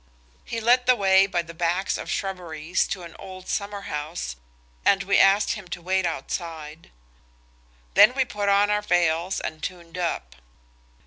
He led the way by the backs of shrubberies to an old summer house, and we asked him to wait outside. Then we put on our veils and tuned up.